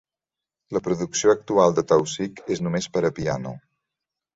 La producció actual de Tausig és només per a piano.